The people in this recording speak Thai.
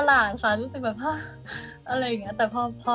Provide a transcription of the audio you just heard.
รู้สึกแบบ